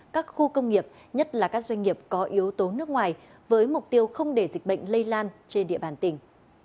các khu công nghiệp nhất là các doanh nghiệp có yếu tố nước ngoài với mục tiêu không để dịch bệnh lây lan trên địa bàn tỉnh